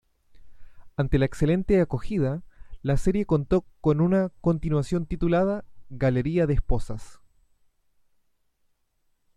Ante la excelente acogida, la serie contó con una continuación titulada "Galería de esposas".